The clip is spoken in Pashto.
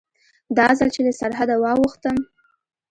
دا ځل چې له سرحده واوښتم.